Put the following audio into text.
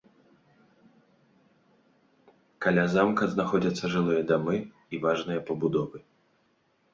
Каля замка знаходзяцца жылыя дамы і важныя пабудовы.